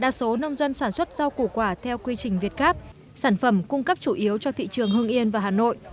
đa số nông dân sản xuất rau củ quả theo quy trình việt gáp sản phẩm cung cấp chủ yếu cho thị trường hương yên và hà nội